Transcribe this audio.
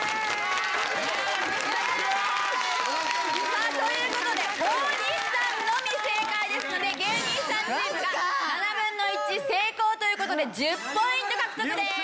さあという事で大西さんのみ正解ですので芸人さんチームが７分の１成功という事で１０ポイント獲得です。